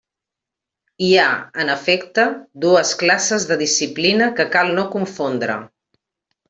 Hi ha, en efecte, dues classes de disciplina que cal no confondre.